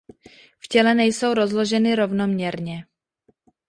V těle nejsou rozloženy rovnoměrně.